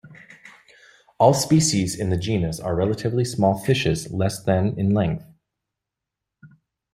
All species in this genus are relatively small fishes, less than in length.